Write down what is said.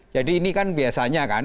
jadi ini kan biasanya kan